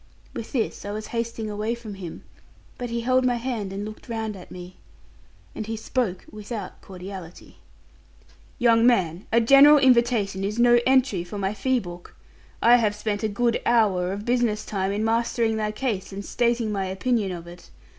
With this I was hasting away from him, but he held my hand and looked round at me. And he spoke without cordiality. 'Young man, a general invitation is no entry for my fee book. I have spent a good hour of business time in mastering thy case, and stating my opinion of it.